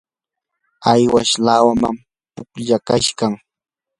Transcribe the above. awash lawam pushqaykan.